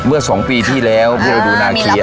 เมื่อ๒ปีที่แล้วที่เราดูนาเคีย